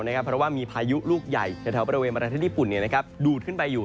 เพราะว่ามีพายุลูกใหญ่แถวบริเวณประเทศญี่ปุ่นดูดขึ้นไปอยู่